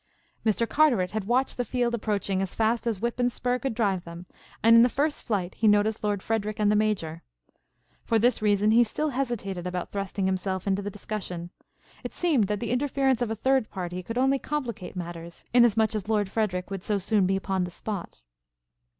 Mr. Carteret had watched the field approaching as fast as whip and spur could drive them, and in the first flight he noticed Lord Frederic and the Major. For this reason he still hesitated about thrusting himself into the discussion. It seemed that the interference of a third party could only complicate matters, inasmuch as Lord Frederic would so soon be upon the spot.